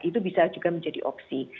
itu bisa juga menjadi opsi